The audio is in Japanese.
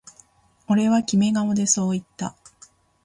僕はキメ顔でそう言った